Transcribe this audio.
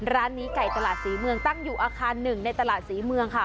ร้านนี้ไก่ตลาดศรีเมืองตั้งอยู่อาคารหนึ่งในตลาดศรีเมืองค่ะ